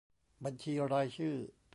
บัญชีรายชื่อ